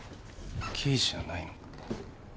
刑事じゃないのか？